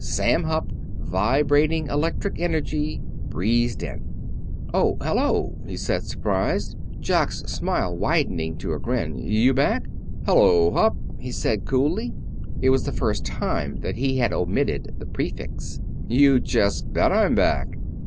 Sam Hupp, vibrating electric energy, breezed in. "Oh hello!" he said, surprised. Jock's smile widened to a grin. "You back?" "Hello, Hupp," he said, coolly. It was the first time that he had omitted the prefix. "You just bet I'm back."